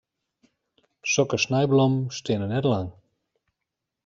Sokke snijblommen steane net lang.